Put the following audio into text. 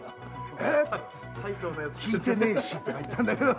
ええっ！って、聞いてねえしとか言ったんだけど。